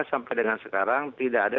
sampai dengan sekarang tidak ada